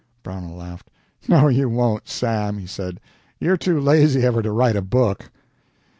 Brownell laughed. "No, you won't, Sam," he said. "You're too lazy ever to write a book."